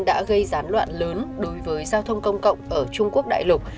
đã gây gián đoạn lớn đối với giao thông công cộng ở trung quốc đại lục